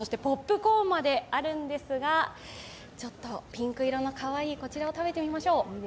スイーツも３つ、おつまみも、ポップコーンまであるんですが、ちょっとピンク色のかわいいこちらを食べてみましょう。